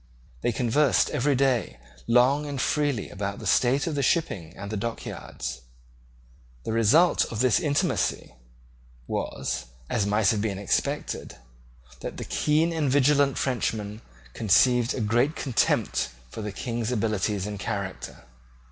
They conversed every day long and freely about the state of the shipping and the dock yards. The result of this intimacy was, as might have been expected, that the keen and vigilant Frenchman conceived a great contempt for the King's abilities and character.